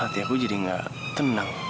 hati aku jadi gak tenang